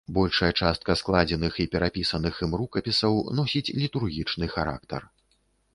Большая частка складзеных і перапісаных ім рукапісаў носіць літургічны характар.